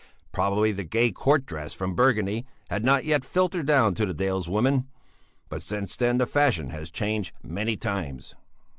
Probably the gay court dress from Burgundy had not yet filtered down to the daleswomen. But since then the fashion has changed many times.